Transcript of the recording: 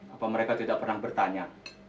apa mereka tidak pernah bertanya